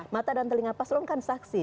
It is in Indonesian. mata dan telinga paslon kan saksi